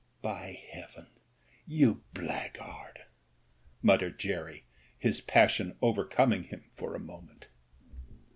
"By Heaven! You blackguard!" muttered Jerry, his passion overcoming him for a moment.